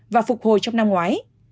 và phục hồi trong năm ngoái